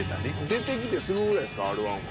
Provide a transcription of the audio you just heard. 出てきてすぐぐらいですかＲ−１は。